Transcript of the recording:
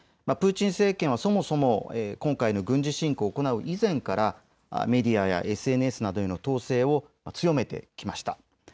プーチン政権はそもそも今回の軍事侵攻を行う以前からメディアやＳＮＳなどの統制を強めてきました。